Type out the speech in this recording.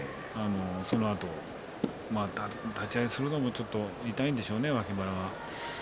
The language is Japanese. そのあと立ち合いするのも痛いんでしょうね、脇腹が。